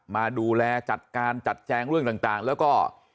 มาดูแลจัดการจัดแจงเรื่องต่างแล้วก็